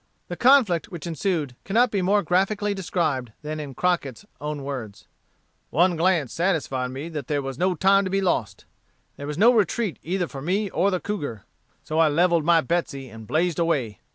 The conflict which ensued cannot be more graphically described than in Crocket's own words: "One glance satisfied me that there was no time to be lost. There was no retreat either for me or the cougar. So I levelled my Betsey and blazed away.